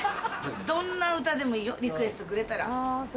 どんな歌でもいいよリクエストくれたら。